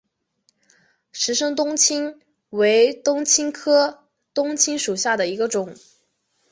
石生冬青为冬青科冬青属下的一个种。